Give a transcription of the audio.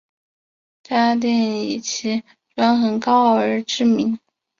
渣甸以其专横高傲而知名。